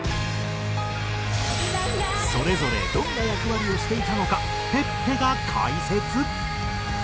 それぞれどんな役割をしていたのかｐｅｐｐｅが解説。